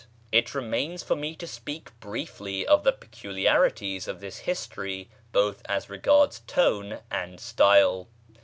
[page xlv] It remains for me to speak briefly of the peculiarities of this history both as regards tone and style.